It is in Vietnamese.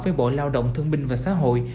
với bộ lao động thương binh và xã hội